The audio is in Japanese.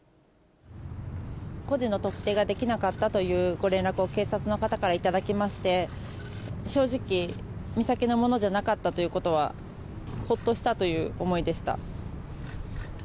個人の特定ができなかったというご連絡を、警察の方から頂きまして、正直、美咲のものじゃなかったということは、ほっとしたという思いでした。